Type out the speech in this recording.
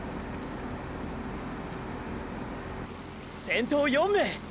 先頭４名！！